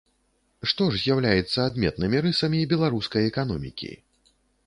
Што ж з'яўляецца адметнымі рысамі беларускай эканомікі?